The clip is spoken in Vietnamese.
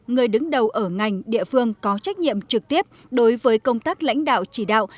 người đứng đầu ở ngành địa phương có trách nhiệm trực tiếp đối với công tác lãnh đạo chỉ đạo